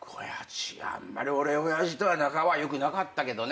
あんまり俺親父とは仲は良くなかったけどね。